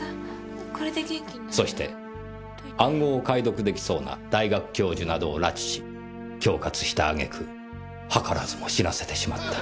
そして暗号を解読出来そうな大学教授などを拉致し恐喝したあげく図らずも死なせてしまった。